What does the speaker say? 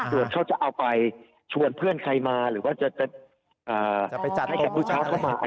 ส่วนเขาจะเอาไปชวนเพื่อนใครมาหรือว่าจะไปจัดให้กับลูกค้าเข้ามา